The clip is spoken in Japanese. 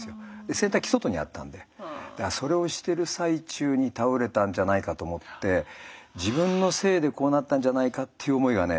洗濯機外にあったんでだからそれをしてる最中に倒れたんじゃないかと思って自分のせいでこうなったんじゃないかっていう思いがね